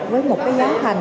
với một giá thành